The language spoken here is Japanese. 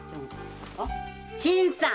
あ新さん！